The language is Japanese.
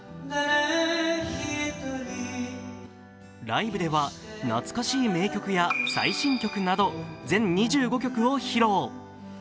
ライブでは懐かしい名曲や最新曲など全２５曲を披露。